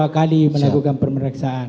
dua kali melakukan pemeriksaan